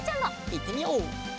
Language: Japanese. いってみよう！